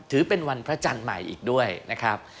ถือเป็นวันพระจันทร์ใหม่อีกด้วยนะครับ